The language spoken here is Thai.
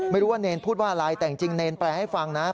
ไม่รู้ว่าเนรพูดว่าอะไรแต่จริงเนรแปลให้ฟังนะ